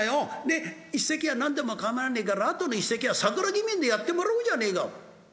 で一席は何でも構わねえからあとの一席は『佐倉義民伝』やってもらおうじゃねえか」。